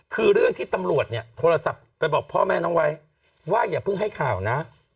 คือเรื่องที่ตำรวจเนี่ยโทรศัพท์ไปบอกพ่อแม่น้องไว้ว่าอย่าเพิ่งให้ข่าวนะ